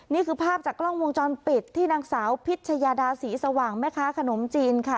นี่คือภาพจากกล้องวงจรปิดที่นางสาวพิชยาดาศรีสว่างแม่ค้าขนมจีนค่ะ